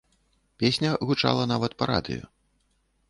Песня гучала нават па радыё.